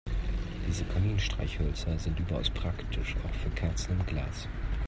Diese Kaminstreichhölzer sind überaus praktisch, auch für Kerzen im Glas.